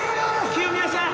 清宮さん。